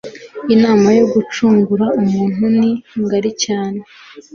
Inama yo gucungura muntu ni ngari cyane